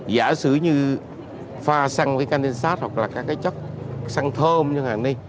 giả sử như pha xăng với canh xát hoặc là các cái chất xăng thơm như thế này